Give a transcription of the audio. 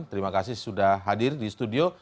terima kasih sudah hadir di studio